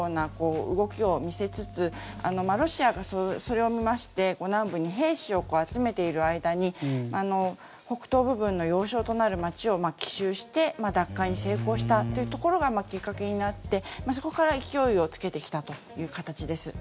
南部で攻撃を仕掛けるような動きを見せつつロシアがそれを見まして南部に兵士を集めている間に北東部分の要衝となる街を奇襲して奪還に成功したというところがきっかけになってそこから勢いをつけてきたという形です。